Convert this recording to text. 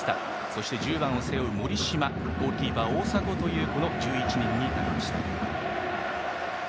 そして、１０番を背負う森島ゴールキーパー大迫という１１人。